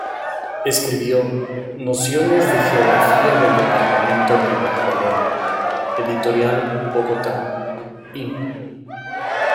Escribió "Nociones de geografía del Departamento del Magdalena" Editorial Bogotá, Imp.